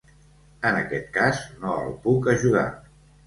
En aquest cas no el puc ajudar.